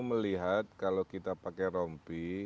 melihat kalau kita pakai rompi